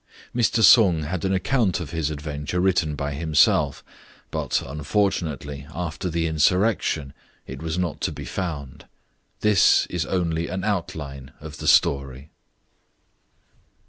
Mr. Sung had an account of his adventure writteji by himself; but unfortunately after the insurrection it was not to be found. This is only an outline of the story.